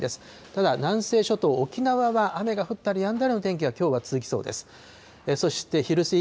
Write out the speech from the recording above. ただ南西諸島、沖縄は雨が降ったりやんだりの天気がきょうは続きそうです。